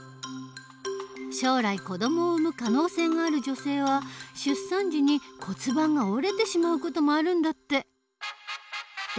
将来子どもを産む可能性がある女性は出産時に骨盤が折れてしまう事もあるんだって。